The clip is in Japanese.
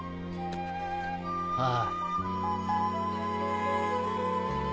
ああ。